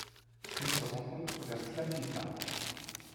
Elle se rencontre vers Tlaquilpa.